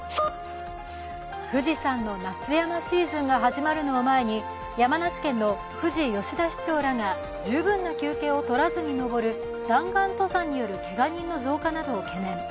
富士山の夏山シーズンが始まるのを前に山梨県の富士吉田市長らが十分な休憩を取らずに登る弾丸登山によるけが人の増加などを懸念。